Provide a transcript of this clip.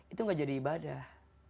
itu tidak jadi ibadah